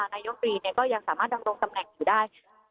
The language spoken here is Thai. นายกรีก็ยังสามารถดำรงตำแหน่งอยู่ได้